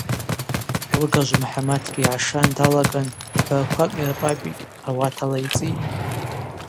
Алыгажв Мхӏаматгьи й гӏашан далаган хӏвраквакӏ йырпӏапӏитӏ, ауат алайцӏитӏ.